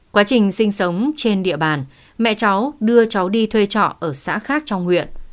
quá trình sinh sống trên địa bàn mẹ cháu đưa cháu đi thuê trọ ở xã khác trong huyện